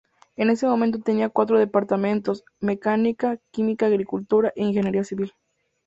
En ese momento tenía cuatro departamentos: Mecánica, Química, Agricultura, e Ingeniería Civil.